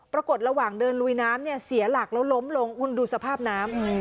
ปรากฏระหว่างเดินลุยน้ำเนี่ยเสียหลักแล้วล้มลงคุณดูสภาพน้ำ